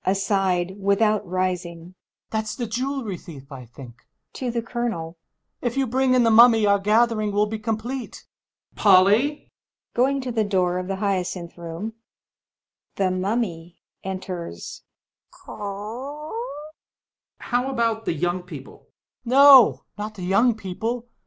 [Aside, withotd rising] That's the jewelry thief, I think [To the Colonel] If you bring in the Mummy, our gathering will be complete. Colonel. [Going to the door of the HyadnUi Room] Polly ! MxTMMY. [Enters] Curmrr! Colonel. How about the young people? Hummel. No, not the yoimg people!